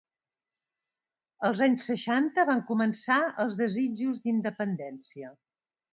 Als anys seixanta van començar els desitjos d'independència.